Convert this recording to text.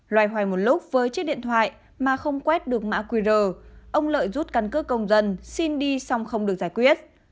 loài hoài một lúc với chiếc điện thoại mà không quét được mã qr ông lợi rút căn cước công dân xin đi xong không được giải quyết